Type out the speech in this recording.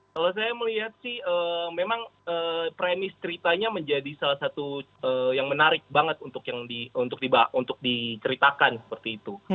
kalau saya melihat sih memang premis ceritanya menjadi salah satu yang menarik banget untuk diceritakan seperti itu